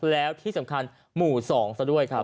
แล้วที่สำคัญหมู่๒ซะด้วยครับ